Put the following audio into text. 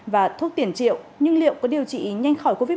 và thuốc tiền triệu nhưng liệu có điều trị nhanh khỏi covid một mươi chín